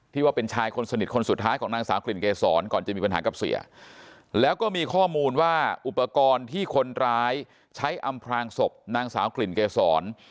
ว่าเป็นชายคนสนิทคนสุดท้ายของนางสาวกลิ่นเกษรก่อนจะมีปัญหากับเสียแล้วก็มีข้อมูลว่าอุปกรณ์ที่คนร้ายใช้อำพลางศพนางสาวกลิ่นเกษร